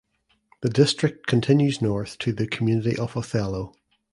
The district continues north to the community of Othello.